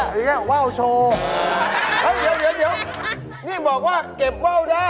ละมาโชว์ว่าว